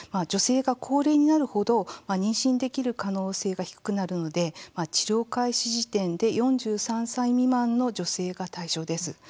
女性が高齢になるほど妊娠できる可能性が低くなるので治療開始時点で４３歳未満の女性が対象です。